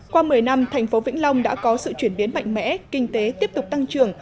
qua một mươi năm thành phố vĩnh long đã có sự chuyển biến mạnh mẽ kinh tế tiếp tục tăng trưởng